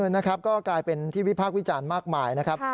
นะครับก็กลายเป็นที่วิพากษ์วิจารณ์มากมายนะครับ